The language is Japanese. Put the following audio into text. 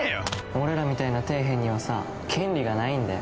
俺らみたいな底辺にはさ権利がないんだよ。